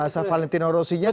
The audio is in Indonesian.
bahasa valentino rossi nya nih